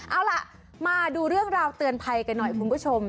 เอาล่ะมาดูเรื่องราวเตือนภัยกันหน่อยคุณผู้ชม